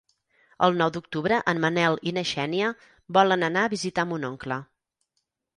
El nou d'octubre en Manel i na Xènia volen anar a visitar mon oncle.